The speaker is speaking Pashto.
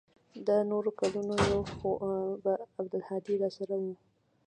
دا نور کلونه يو خو به عبدالهادي راسره و.